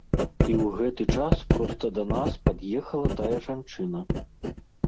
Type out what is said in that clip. І ў гэты час проста да нас пад'ехала тая жанчына.